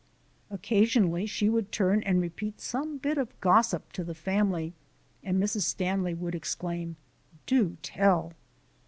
Occasionally she would turn and repeat some bit of gossip to the family, and Mrs. Stanley would claim: "Do tell!"